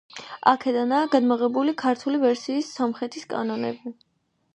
აქედანაა გადმოღებული ქართული ვერსიის სომხეთის კანონები.